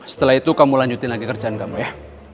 setelah itu kamu lanjutin lagi kerjaan kamu ya